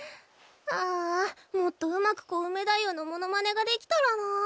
ああもっとうまくコウメ太夫のモノマネができたらな。